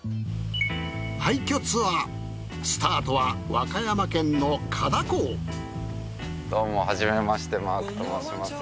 廃墟ツアースタートは和歌山県のどうもはじめましてマークと申します。